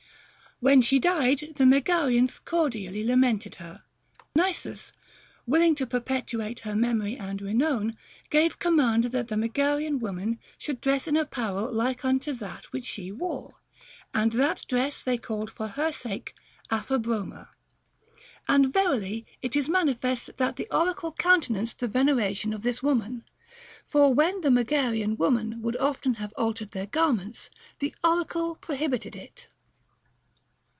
When she died, the Megarians cordially lamented her; and Nisus, willing to perpetuate her memory and renown, gave command that the Megarian women should dress in apparel like unto that which she wore, and that dress they called for her sake aphabroma. And verily it is manifest that the oracle countenanced the veneration of this woman ; for when the Megarian women would often have altered their garments, the oracle prohibited it.